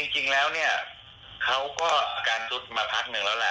เขาก็อาการจุดมาพักหนึ่งแล้วล่ะ